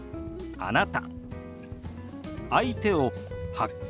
「あなた」。